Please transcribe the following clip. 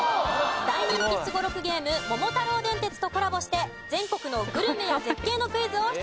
大人気すごろくゲーム『桃太郎電鉄』とコラボして全国のグルメや絶景のクイズを出題します。